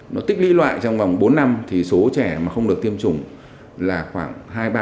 nó tích lũy loại trong vòng bốn năm thì số trẻ mà không được tiêm chủng là khoảng hai mươi ba